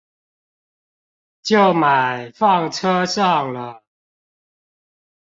就買放車上了